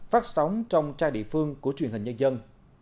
phát sóng trong trang địa phương của truyền hình nhân dân